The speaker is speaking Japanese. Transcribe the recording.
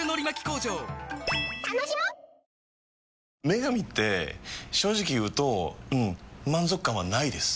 「麺神」って正直言うとうん満足感はないです。